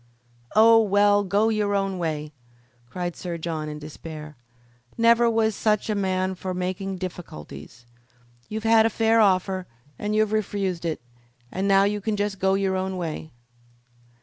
"Oh, well, go your own way!" cried Sir John, in despair. "Never was such a man for making difficulties. You've had a fair offer and you've refused it, and now you can just go your own way."